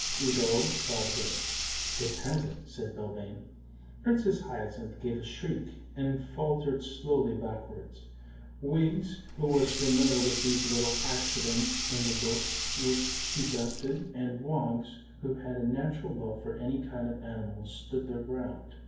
Udo trotted in. "It hasn't," said Belvane. Princess Hyacinth gave a shriek, and faltered slowly backwards; Wiggs, who was familiar with these little accidents in the books which she dusted, and Woggs, who had a natural love for any kind of animal, stood their ground.